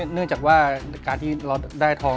เนื่องจากว่าการที่เราได้ทอง